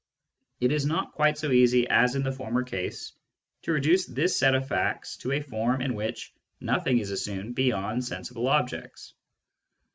It is not quite so easy as in the former case to reduce this set of facts to a form in which nothing is assumed beyond sensible objects.